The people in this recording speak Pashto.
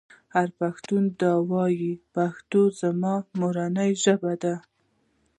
هر پښتون دې ووايي پښتو زما مورنۍ ژبه ده.